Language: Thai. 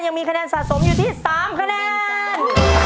ยังมีคะแนนสะสมอยู่ที่๓คะแนน